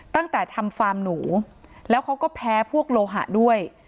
ตั้งแต่ทำฟาร์มหนูแล้วเขาก็แพ้พวกโลหะด้วย